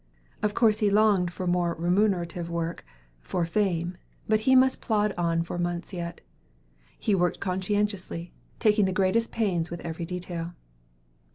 Of course he longed for more remunerative work, for fame; but he must plod on for months yet. He worked conscientiously, taking the greatest pains with every detail.